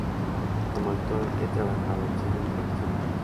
Como actor ha trabajado en cine, televisión y teatro.